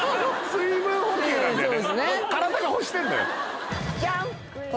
水分補給なんだよね